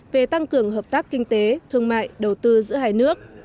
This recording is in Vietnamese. về tăng cường hợp tác kinh tế thương mại đầu tư giữa hai nước